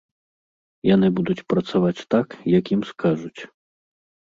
Яны будуць працаваць так, як ім скажуць.